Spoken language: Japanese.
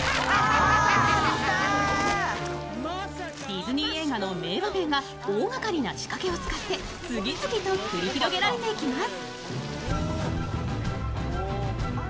ディズニー映画の名場面が大がかりな仕掛けを使って次々と繰り広げられていきます。